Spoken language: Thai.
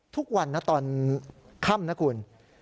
ทุกวันนะตอนค่ำนะคุณ